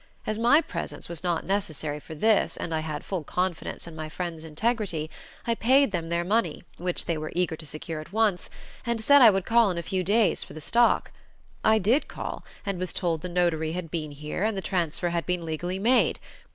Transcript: As my presence was not necessary for this, and I had full confidence in my friends' integrity, I paid them their money, which they were eager to secure at once, and said I would call in a few days for the stock. I did call, and was told the notary had been here and the transfer had been legally made.